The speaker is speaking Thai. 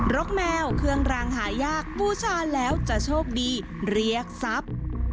กแมวเครื่องรางหายากบูชาแล้วจะโชคดีเรียกทรัพย์